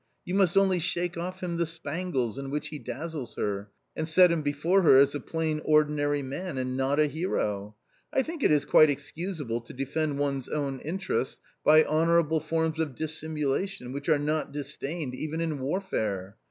... you must only shake off him the spangles in which he dazzles her, and set him before her as a plain ordinary man, and not a hero .... I think it is quite excusable to defend one's own interests by honorable forms of dissimulation which are not disdained even in warfare.